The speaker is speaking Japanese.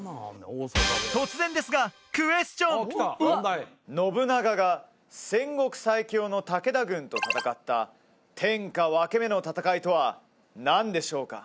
突然ですが信長が戦国最強の武田軍と戦った天下分け目の戦いとは何でしょうか？